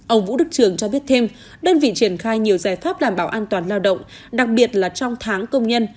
ông vũ đức trường cho biết thêm đơn vị triển khai nhiều giải pháp đảm bảo an toàn lao động đặc biệt là trong tháng công nhân